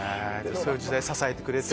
そういう時代支えてくれて。